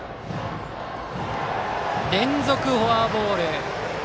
連続フォアボール。